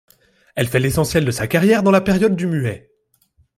Elle fait l'essentiel de sa carrière dans la période du muet.